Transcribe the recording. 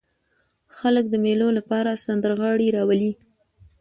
خلک د مېلو له پاره سندرغاړي راولي.